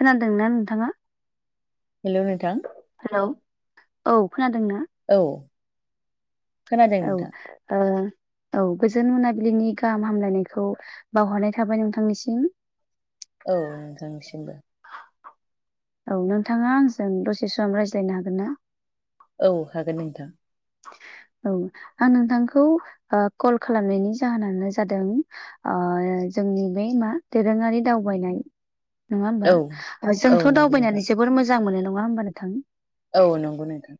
खोनादों ना नोंथाङा? हेल' नोंथां। हेलौ औ खोनादों ना? औ खोनादों औ नोंथां ओ औ गोजोन मोनाबिलिनि गाहाम हामलायनायखौ बावहरनाय थाबाय नोंथांनिसिम। औ नोंथांनिसिमबो। औ नोंथाङा आंजों दसे सम रायज्लायनो हागोन ना? औ हागोन नोंथां। [inaudible] औ आं नोंथांखौ कल खालामनायनि जाहोनानो जादों जोंनि बे मा दोरोङारि दावबायनाय नङा होमबा। औ औ जोंथ' नंगौ नोंथां दावबायनानै जोबोर मोजां मोनो नङा होमबा नोंथां। औ नंगौ नोंथां।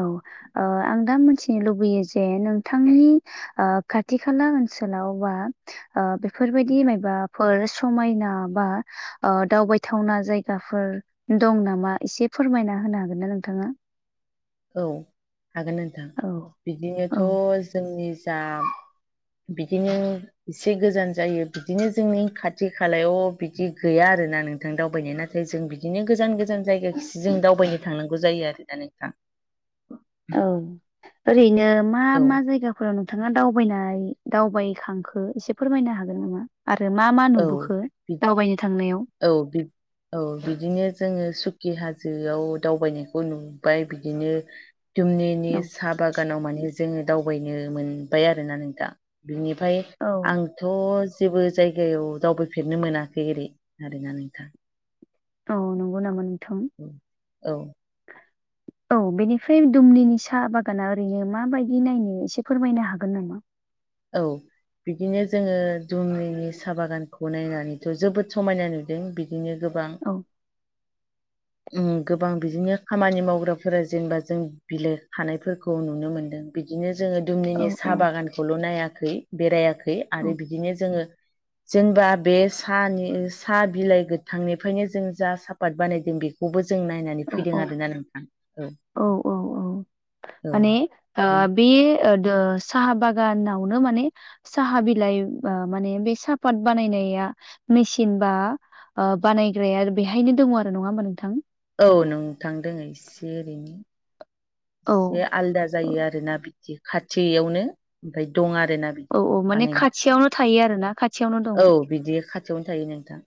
औ ओ आं दा मिथिनो लुबैयो जे नोंथांनि आ खाथिखाला ओनसोलाव बा आ ब फोरबायदि मायबाफोर समायना बा आ दावबाय थावना जायगाफोर दं नामा इसे फोरमायना होनो हागोन ना नोंथाङा औ हागोन नोंथां औ बिदिनोथ' औ जोंनि जा बिदिनो इसे गोजान जायो बिदिनो जोंनि खाथि खालायाव बिदि गैया आरोना नोंथां दावबायनो ना [unintelligible] जों बिदिनो गोजान-गोजान जायगाखिसो जों दावबायनो थांनांगौ जायो आरो दा नोंथां। औ ओरैनो औ मा-मा जायगाफोराव नों थाङा दावबायनाय दावबायखांखो एसे फोरमायनो हागोन नामा? आरो मा-मा औ नुबोखो बिदि दावबायनो थांनायाव। औ बिब औ बिदिनो जोङो सुखि हाजोआव दावबायनायखौ नुबाय बिदिनो जुमनिनि औ साहा बागानाव माने जोङो दावबायनो मोनबाय आरोना नोंथां बिनिफाय आंथ' जेबो जाय गेव दावबायफेरनो मोनाखै ओरै आरोना नोंथां औ नोंगौ नामा नोंथां औ [inaudible] औ बेनिफ्राय दुमलिनि साहा बागाना ओरैनो माबायदि नायनो इसे फोरमायनो हागोन नामा औ। बिदिनो जोङो दुमनि साहा बागानखौ नायनानैथ' जोबोद समायना नुदों बिदिनो गोब बां [inaudible] औ ओम गोबां बिदिनो खामानि मावग्राफोरा जेनेबा जों बिलाइ खानायफोरखौ नुनो मोनदों। बिदिनो जोङो औ दुमनिनि औ साहा बागानखौल' नायाखै बेरायाखै औ आरो बिदिनो जोङो जोंबा बे सानि साहा बिलाइ गोथांनिफायनो जों जा साप पाद बानायदों बेखौबो जों नायनानै औ फैदों आरोना नोंथां। औ औ औ औ माने आ बे ओ दोस साहा बागानावनो माने साहा बिलाइ माने बे साहापात बानायनाया मेसिन बा ओ बानायग्राया बेहायनो दङ आरो नङा होमा नोंथां औ नोंथां दोङो इसे ओरैनो औ इसे आलदा जायो आरोना बिदि खाथियावनो ओमफाय दं आरोना। बिदि औ औ माने बानायनो खाथियावनो थायो आरो ना खाथियावनो दं। औ बिदि खाथियावनो थायो नोंथां।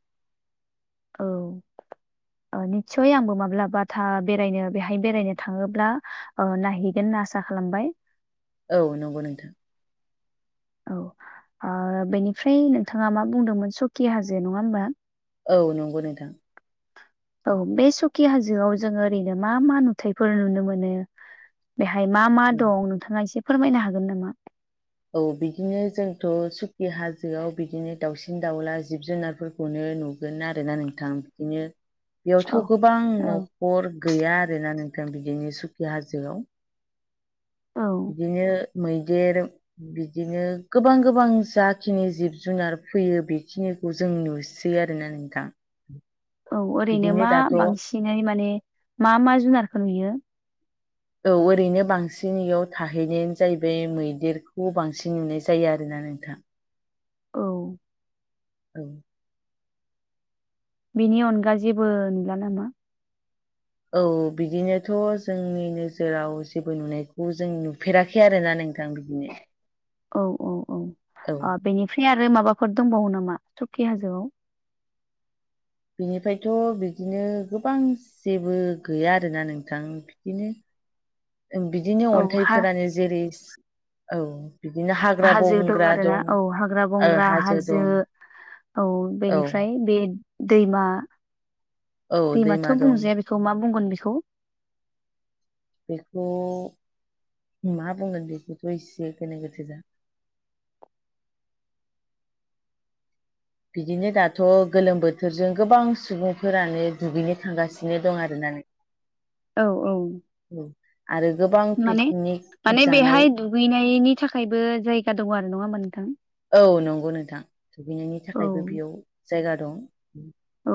औ आ निस्सय आंबो माब्लाबाथा बेरायनो बेहाय बेरायनो थाङोब्ला ओ नायहैगोनना आसा खालामबाय [inaudible] औ नंगौ नोंथां [inaudible] औ आ बेनिफ्राय नोंथाङा मा बुंदोंमोन सकि हाजो नङा होमबा औ नंगौ नोंथां औ बे सखि हाजोआव जोङो ओरैनो मा मा नुथायफोर नुनो मोनो बेहाय मा मा दं नोंथाङा इसे फोरमायनो हागोन नामा? औ बिदिनो जोंथ' सुखि हाजोआव बिदिनो दाउसिन दाउला जिब जुनारफोर खौनो नुगोन आरोना नोंथां बिदिनो औ बेवथ' गोबां औ न'खर गैया आरोना नोंथां बिदिनो सुखि हाजोआव औ। बिदिनो मैदेर बिदिनो गोबां गोबां जाखिनि जिब जुनार फैयो बेखिनि खौ जों नुसै आरोना नोंथां। औ ओरैनो बिदिनो मा दाथ' औ बांसिनै माने मा मा जुनारखौ नुयो? औ ओरैनो बांसिन इयाव थाहैनायानो जाहैबाय मैदेरखौ बांसिन नुनाय जायो आरोना नोंथां। औ। औ बिनि अनगा जेबो नुला नामा? औ बिदिनोथ' जोंनि नोजोराव जेबो नुनायखौ जों नुफेरा [unintelligible] आरोना नोंथां बिदिनो [inaudible] औ औ औ औ ओ बेनिफ्राय आरो माबाफोर दंबावो नामा सुकि हाजोआव। बिनिफ्रायथ' बिदिनो गोबां जेबो गैया आरोना नोंथां बिदिनो बिदिनो औ हा अन्थाइफोरानो जेरै औ बिदिनो हाग्रा हाजो दं बंग्रा आरो ना औ हाग्रा ओ बंग्रा हाजो। दं औ औ बेनिफ्राय बे दैमा, औ दैमा दैमाथ' दं बुंजाया बेखौ मा बुंगोन बेखौ? बेखौ मा बुंगोन बेखौथ' एसे गोनो गोथो जा बिदिनो दाथ' गोलोम बोथोरजों गोबां सुबुंफोरानो दुगैनो थांगासिनो दं आरोना नों औ औ आरो गोबां माने पिकनिक माने बेहाय जानाय दुगैनायनि थाखायबो जायगा दङ' आरो नङा होमा नोंथां? औ नंगौ नोंथां दुगैनायनि औ थाखायबो बेयाव जायगा दं। औ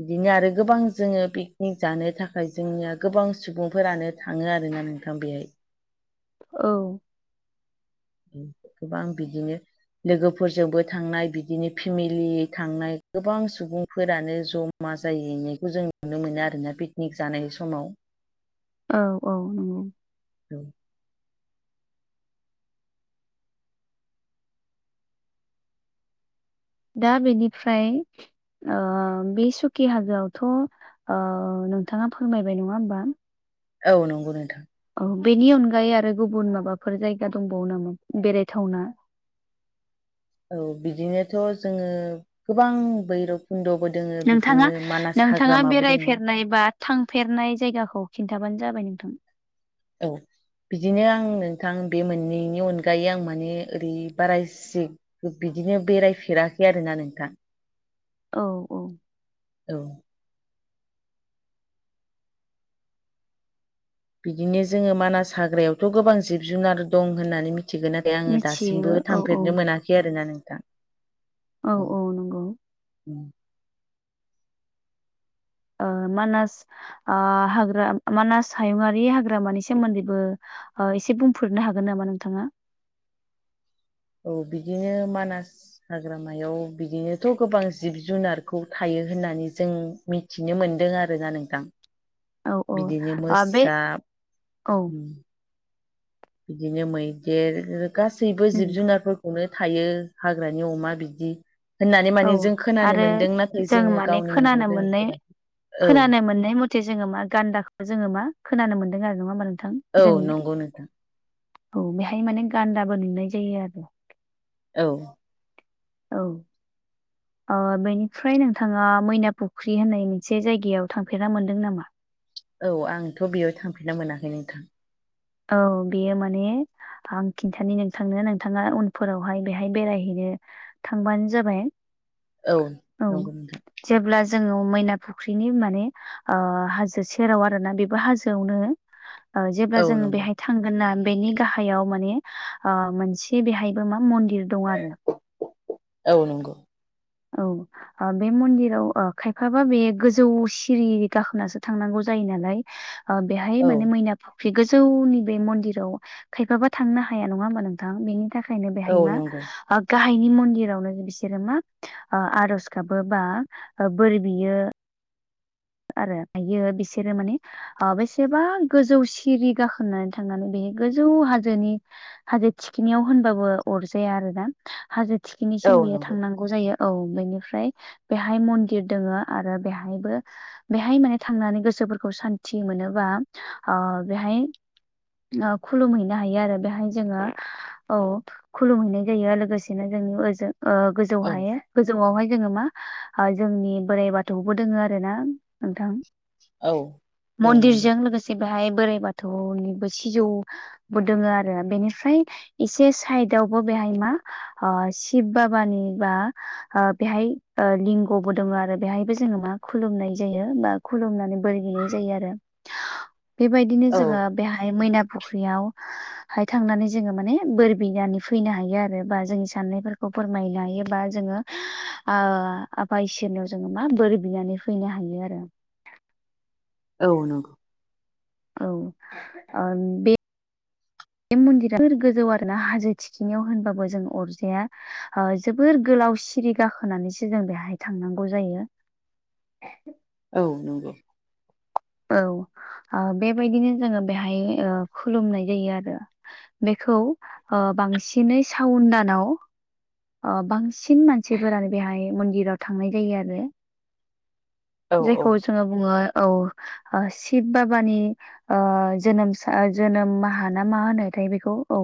बिदिनो आरो गोबां जोङो पिकनिक जानो थाखाय जोंनिया गोबां सुबुंफोरानो थाङो आरोना नोंथां बेहाय। औ उम गोबां बिदिनो लोगोफोरजोंबो थांनाय बिदिनो फेमिलि थांनाय गोबां सुबुंफोरानो ज' मा जाहैनायखौ जों नुनो मोनो आरोना पिकनिक जानाय समाव। औ औ नंगौ औ‌ दा बेनिफ्राय ओ बे सुखि हाजोआवथ' ओ नोंथाङा फोरमायबाय नङा होमबा औ नंगौ नोंथां औ बेनि अनगायै आरो गुबुन माबाफोर जायगा दंबावो नामा बेरायथावना? औ बिदिनोथ' जोङो गोबां बैरब खुन्द'बो दोङो बिदिनो मानास हाग्रामाबो दों थायबाद थांफेरनाय जायगाखौ खिन्थाबानो जाबाय नोंथां। औ बिदिनो आं नोंथां बे मोननैनि अनगायै आं माने ओरै बारासिग बिदिनो बेरायफेराखै आरोना नोंथां। औ औ औ बिदिनो जोङो मानास हाग्रायावथ' गोबां जिब जुनार दं होननानै मिथिगोना बे आङो दासिमबो मिथियो औ औ थामफेरनो मोना खै आरोना नोंथां औ ओ मानास आ हाग्रा मानास हायुंङारि हाग्रामानि सोमोन्दैबो ओ एसे बुंफोरनो हागोन नामा नोंथाङा? औ बिदिनो मानास हाग्रामायाव बिदिनोथ' गोबां जिब जुनारखौ थायो होननानै जों मि थिनो मोनदों आरोना नोंथां। औ औ बिदिनो आ बे मोसा औ बिदिनो मैदेर गासैबो जिब उम जुनारफोर खौनो थायो हाग्रानि अमा बिदि होननानै औ माने जों खोनानो आरो मोन्दों नाथाय जों जोङो माने गावनि खोनानो मोननाय मेगनजों [inaudible] खोनानो मोननाय मथे जोङो मा गान्दाखौ जोङो मा खोनानो मोनदों आरो नङा होमबा नोंथां? औ जों नंगौ नोंथां औ बेहाय माने गान्दाबो नुनाय जायो आरो। औ औ ओ बेनिफ्राय नोंथाङा मैनापुख्रि होननाय मोनसे जायगायाव थांफेरना मोनदों नामा? औ आंथ' बेयाव थांफिनना मोनाखै नोंथां। औ बेयो माने आं खिन्थानो नोंथांनो नोंथाङा उनफोरावहाय बेहाय बेरायहैनो थांबानो जाबाय। औ नंगौ नोंथां जेब्ला जोङो मैना फुख्रिनि माने ओ हाजो सेराव आरोना बेबो हाजोआवनो ओ जेब्ला औ जोङो नंगौ बेहाय थांगोन ना बेनि गाहायाव माने ओ मोनसे बेहायबो मा मन्दिर दं आरो। औ नंगौ। औ ओ बे मन्दिराव ओ खायफाबा बे गोजौ सिरि गाखोनासो थांनांगौ जायो नालाय अ बेहाय औ माने मैना बे गोजौनि बे मन्दिराव खायफाबा थांनो हाया नङा होमबा नोंथां? बेनि थाखाय ओंखायनो बेहाय औ मा नंगौ गाहायनि मन्दिरावनो बिसोरो मा ओ आर'ज गाबो बा ओ बोर बियो आरो आयो बिसोरो माने आ बेसेबा गोजौ सिरि गाखोनानै थांनानै बेहाय गोजौ हाजोनि हाजो थिखिनियाव होनबाबो अरजाया आरो दा हाजो औ थिखिनिसिम बियो नंगौ थांनां गौ जायो औ बेनिफ्राय बेहाय मन्दिर दङ आरो बेहायबो बेहाय माने थांनानै गोसोफोरखौ सान्थि मोनो बा बेहाय ओ खुलुमहैनो हायो आरो बेहाय जोङो औ खुलुमहैनाय जायो लोगोसेनो जोंनि ओजों ओ गोजौ औ हायो गोजौआवहाय जोङो मा जोंनि बोराइ बाथौखौबो दोङो आरो ना नोंथां औ औ नंगौ मन्दिरजों लोगोसे ज बेहाय बोराइ बाथौनिबो सिजौ बु दोङो आरो बेनिफ्राय एसे साइदआवबो बेहाय मा ओ शिब बाबानि बा ओ बेहाय लिंग'बो दङ आरो बेहायबो जोङो मा खुलुमनाय जायो बा खुलुमनानै बोर बिनाय जायो आरो बेबायदिनो औ जोङो बेहाय मैना फुख्रियाव हाय थांनानै जोङो माने बोर बिनानै फैनो हायो आरो बा जोंनि साननायफोरखौ फोरमायनो हायो बा जोङो आ आफा इसोरनियाव जोङो मा बोर बिनानै फैनो हायो आरो। औ नंगौ। औ ओम बे बे मन्दिरा गोजौ आरो ना हाजो थिखिनियाव होनबाबो जों अरजाया ओ जोबोर गोलाव सिरि गाखोनानैसो जों बेहाय थांनांगौ जायो। औ नंगौ। औ आ बेबायदिनो जोङो बेहाय ओ खुलुमनाय जायो आरो। बेखौ ओ बांसिनै सावन दानाव ओ बांसिन मानसिफोरानो बेहाय मन्दिराव थांनाय जायो आरो। औ औ जायखौ जोङो बुङो औ ओ शिब बाबानि जोनसा जोनोमाहा ना मा होनोथाय बेखौ औ।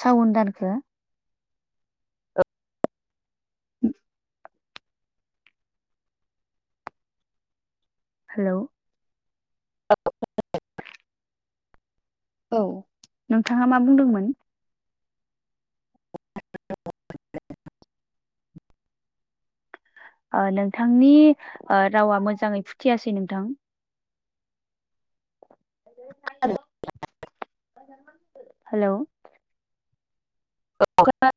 सावन दानखो [inaudible] हेल' [inaudible] औ नोंथाङा मा बुंदोंमोन? [unintelligible] ओ नोंथांनि रावा मोजाङै फुथियासै नोंथां। [inaudible] हेलौ [unintelligible]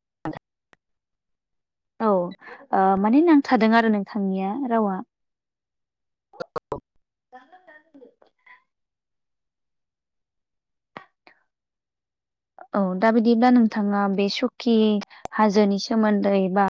औ माने नांथादों आरो नोंथांनिया रावा औ दा बिदिब्ला नोंथाङा बे सुखि हाजोनि सोमोन्दै बा